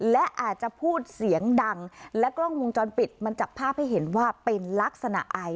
และอาจจะพูดเสียงดังและกล้องวงจรปิดมันจับภาพให้เห็นว่าเป็นลักษณะไอ